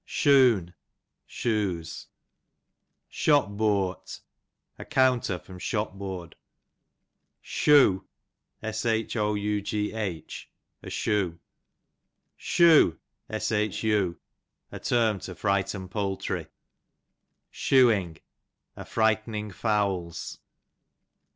Shoon, shoes. Shop booart, a countei; from shop board. Shough, a shoe. Shu, a te^ m to frighten poultry. Shuing, a f Tightening fowls.